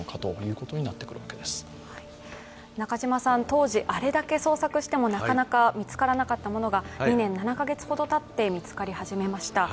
当時、あれだけ捜索しても、なかなか見つからなかったものが２年７カ月ほどたって見つかり始めました。